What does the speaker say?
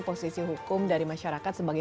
posisi hukum dari masyarakat sebagai